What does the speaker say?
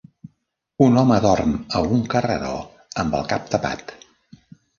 Un home dorm a un carreró amb el cap tapat.